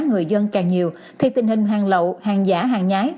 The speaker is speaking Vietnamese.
người dân càng nhiều thì tình hình hàng lậu hàng giả hàng nhái